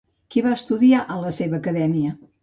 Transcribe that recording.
Qui va estudiar a la seva acadèmia?